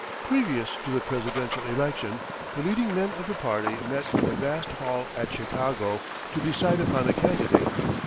Previous to the Presidential election, the leading men of the party met in a vast hall at Chicago to decide upon a candidate.